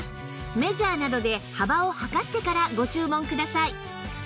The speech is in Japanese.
メジャーなどで幅を測ってからご注文ください